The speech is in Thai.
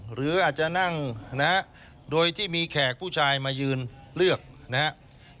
หรืออาจจะนั่งนะฮะโดยที่มีแขกผู้ชายมายืนเลือกนะครับ